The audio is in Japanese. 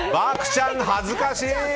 獏ちゃん恥ずかしい！